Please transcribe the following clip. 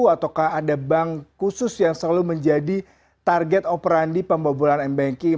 ataukah ada bank khusus yang selalu menjadi target operandi pembobolan mbanking